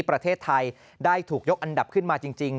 ประเทศไทยได้ถูกยกอันดับขึ้นมาจริง